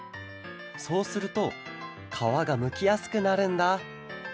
そうするとかわがむきやすくなるんだ。